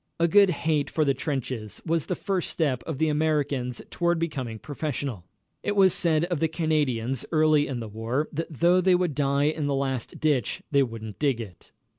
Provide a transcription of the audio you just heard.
A good hate for the trenches was the first step of the Americans toward becoming professional. It was said of the Canadians early in the war that though they would die in the last ditch they wouldn't dig it.